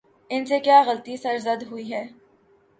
ان سے کیا غلطی سرزد ہوئی ہے؟